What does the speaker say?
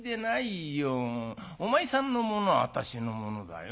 お前さんのものは私のものだよ